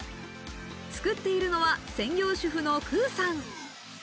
作っているのは専業主婦のｋｕさん。